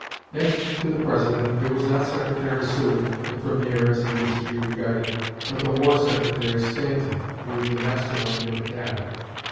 Next to the President, it was not Secretary Seward, the "Premier" as he wished to be regarded, but the War Secretary, Stanton, who was the master mind of the Cabinet.